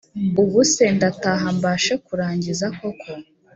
Ubuse ndataha mbashe kurangiza koko